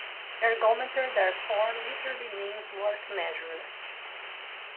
"Ergometer", therefore, literally means "work measurer".